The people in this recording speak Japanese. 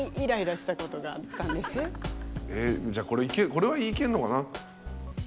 えっじゃあこれはこれはいけんのかな？